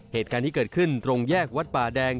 เหตุการณ์นี้เกิดขึ้นตรงแยกวัดป่าแดง